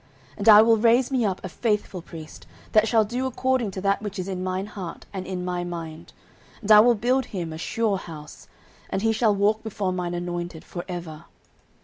09:002:035 And I will raise me up a faithful priest, that shall do according to that which is in mine heart and in my mind: and I will build him a sure house; and he shall walk before mine anointed for ever.